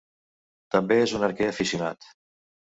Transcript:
També és un arquer aficionat.